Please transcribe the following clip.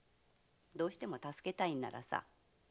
どうしても助けたいんならさ